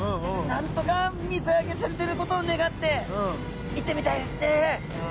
なんとか水揚げされてることを願って行ってみたいですね。